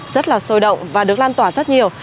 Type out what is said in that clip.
rất là sôi động và được lan tỏa rất nhiều